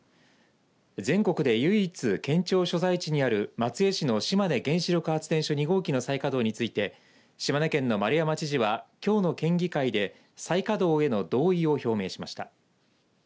全国で唯一、県庁所在地にある松江市の島根原子力発電所２号機の再稼働について島根県の丸山知事はきょうの県議会で再稼働への同意を表明しました。